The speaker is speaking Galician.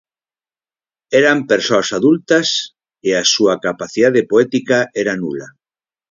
Eran persoas adultas e a súa capacidade poética era nula.